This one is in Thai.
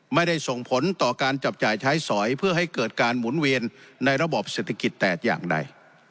ไม่ได้ส่งผลต่อการจับจ่ายใช้สอยเพื่อให้เกิดการหมุนเวียนในระบบเศรษฐกิจแตกอย่างใด